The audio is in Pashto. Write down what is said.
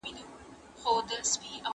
د لویې جرګي د بریالیتوب لپاره څه اړین دي؟